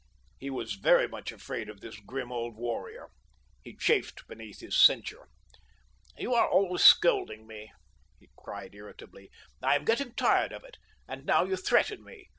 He was very much afraid of this grim old warrior. He chafed beneath his censure. "You are always scolding me," he cried irritably. "I am getting tired of it. And now you threaten me.